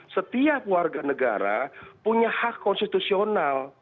setiap warga negara punya hak konstitusional